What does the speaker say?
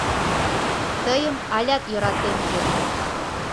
Тыйым алят йӧратем вет...